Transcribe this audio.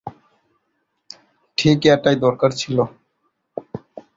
ঠিক এটাই দরকার ছিল।